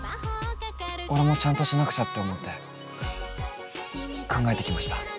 俺もちゃんとしなくちゃって思って考えてきました。